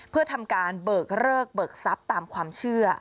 เพื่อทำการเบิกเลิกเบิกทรัพย์ตามความเชื่อ